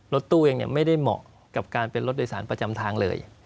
รถตู้เองไม่ได้เหมาะกับการเป็นรถโดยสารประจำทางเลย